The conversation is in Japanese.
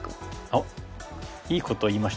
おっいいことを言いました。